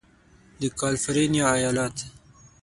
د کالفرنیا ایالت